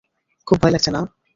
খুব ভয় লাগছে, না?